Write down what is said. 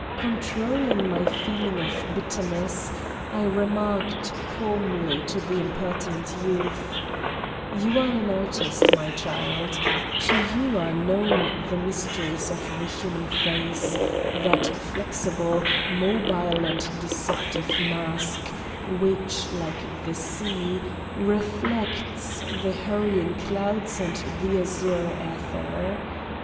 Controlling my feeling of bitterness, I remarked calmly to the impertinent youth: "You are an artist, my child; to you are known the mysteries of the human face, that flexible, mobile and deceptive masque, which, like the sea, reflects the hurrying clouds and the azure ether.